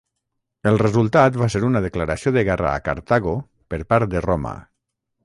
El resultat va ser una declaració de guerra a Cartago per part de Roma.